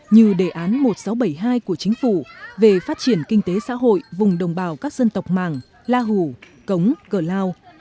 như đề án một nghìn sáu trăm bảy mươi hai của chính phủ về phát triển kinh tế xã hội vùng đồng bào các dân tộc mạng la hủ cống cờ lao